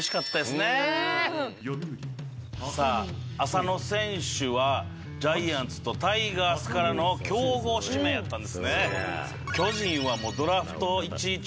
浅野選手はジャイアンツとタイガースからの競合指名やったんですね。